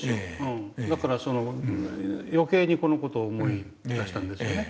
だから余計にこの事を思い出したんですよね。